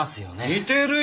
似てるよ。